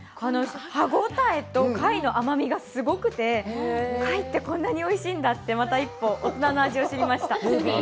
歯応えと貝の甘みがすごくて、貝ってこんなにおいしいんだってまた一歩、大人の味を知りました。